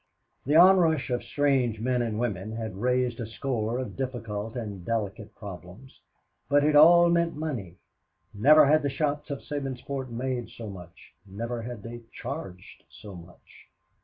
The onrush of strange men and women had raised a score of difficult and delicate problems; but it all meant money. Never had the shops of Sabinsport made so much, never had they charged so much.